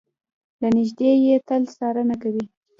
له نږدې يې تل څارنه کوي.